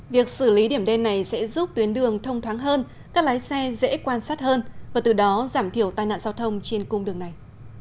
việc xử lý điểm đen này sẽ giúp tuyến đường thông thoáng hơn các lái xe dễ quan sát hơn và từ đó giảm thiểu tai nạn giao thông trên cung đường này